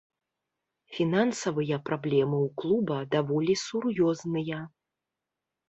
Фінансавыя праблемы ў клуба даволі сур'ёзныя.